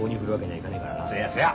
せやせや。